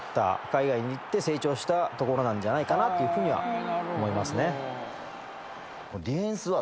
海外に行って成長したところなんじゃないかなというふうには思いますね。